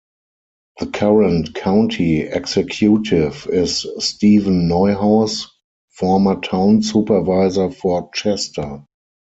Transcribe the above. The current county executive is Steven Neuhaus, former town supervisor for Chester.